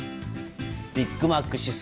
ビッグマック指数。